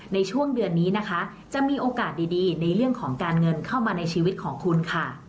ในช่วงเดือนนี้นะคะจะมีโอกาสดีในเรื่องของการเงินเข้ามาในชีวิตของคุณค่ะ